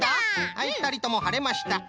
はいふたりともはれました。